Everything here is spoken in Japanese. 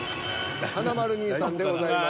華丸兄さんでございます。